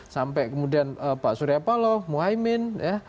sampai kemudian pak suryapalo muhaimin